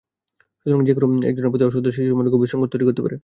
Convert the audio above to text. সুতরাং যেকোনো একজনের প্রতি অশ্রদ্ধা শিশুর মনে গভীর সংকট তৈরি করতে পারে।